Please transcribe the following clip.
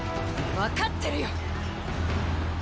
分かってるよ！